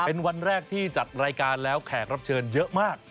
เป็นวันแรกที่จัดรายการแล้วแขกรับเชิญเยอะมาก